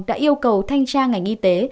đã yêu cầu thanh tra ngành y tế